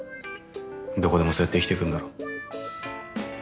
どこでもそうやって生きていくんだろう。